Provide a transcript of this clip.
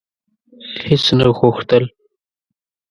هیڅ نه غوښتل: